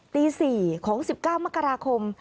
ตี๔ของ๑๙มกราคม